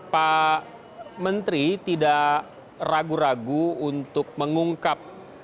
pak menteri tidak ragu ragu untuk mengungkap